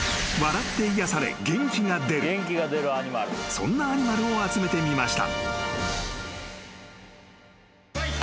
［そんなアニマルを集めてみました］